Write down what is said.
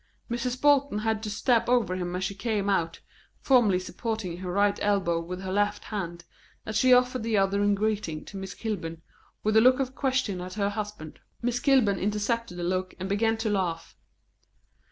Mrs. Bolton had to step over him as she came out, formally supporting her right elbow with her left hand as she offered the other in greeting to Miss Kilburn, with a look of question at her husband. Miss Kilburn intercepted the look, and began to laugh.